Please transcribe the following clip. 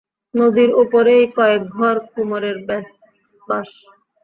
নদীর ওপরেই কয়েক ঘর কুমোরের বাস!